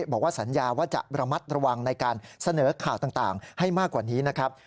บอกว่าสัญญาว่าจะระมัดระวังในการเสนอข่าวต่างให้มากกว่านี้นะครับ